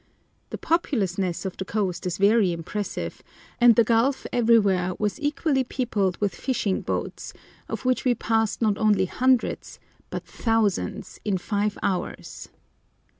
The populousness of the coast is very impressive, and the gulf everywhere was equally peopled with fishing boats, of which we passed not only hundreds, but thousands, in five hours.